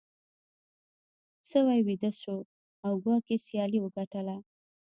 سوی ویده شو او کواګې سیالي وګټله.